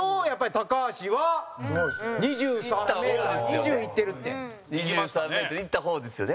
高橋：２３ｍいった方ですよね？